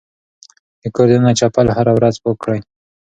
د کور دننه چپل هره ورځ پاک کړئ.